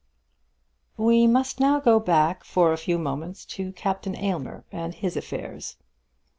We must now go back for a few moments to Captain Aylmer and his affairs.